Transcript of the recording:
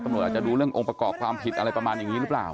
อาจจะดูเรื่ององค์ประกอบความผิดอะไรประมาณอย่างนี้หรือเปล่า